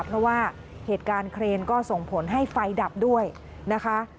เพราะว่าเหตุการณ์เครนก็ส่งผลให้ไฟดับด้วยนะคะ